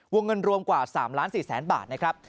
วงเงินรวมกว่า๓๔๐๐๐บาทนะครับ